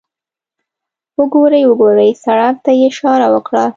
وګورئ، وګورئ، سړک ته یې اشاره وکړه.